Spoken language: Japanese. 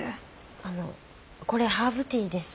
あのこれハーブティーです。